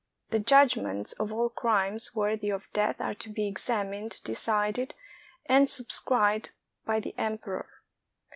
The judgments of all crimes worthy of death are to be examined, decided, and subscribed by the emperor.